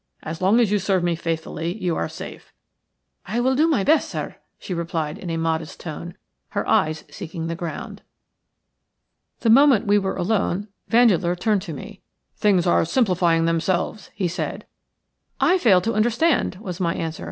As long as you serve me faithfully you are safe." "I will do my best, sir," she replied, in a modest tone, her eyes seeking the ground. The moment we were alone Vandeleur turned to me. "Things are simplifying themselves," he said. "I fail to understand," was my answer.